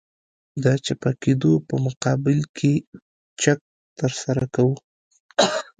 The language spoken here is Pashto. د چپه کېدو په مقابل کې چک ترسره کوو